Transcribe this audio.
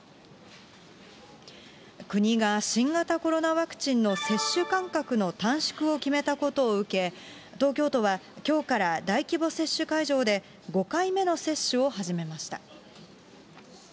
国が新型コロナワクチンの接種間隔の短縮を決めたことを受け、東京都はきょうから、大規模接種会場で５回目の接種を始めました。